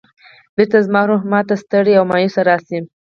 بېرته زما روح ما ته ستړی او مایوسه راشي.